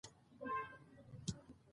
موږ به دغې ورځې ته ورسېږو.